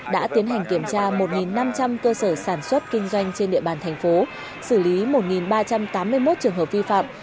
đã tiến hành kiểm tra một năm trăm linh cơ sở sản xuất kinh doanh trên địa bàn thành phố xử lý một ba trăm tám mươi một trường hợp vi phạm